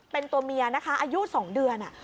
เป็นตัวเมียนะคะอายุ๒เดือน